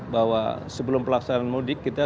bahwa sebelum pelaksanaan mudik kita